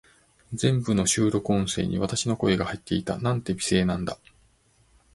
全部の収録音声に、私の声が入っていた。なんて美声なんだ。